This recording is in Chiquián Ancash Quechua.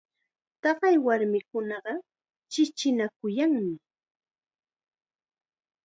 Taqay warmikunaqa chikinakuyanmi.